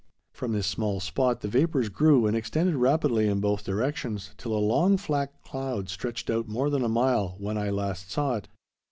From this small spot the vapors grew and extended rapidly in both directions, till a long, flat cloud stretched out more than a mile, when I last saw it.